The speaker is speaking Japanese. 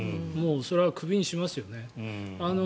それはクビにしますよね。